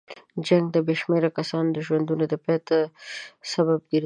جنګ د بې شمېره کسانو د ژوندونو د پای سبب ګرځي.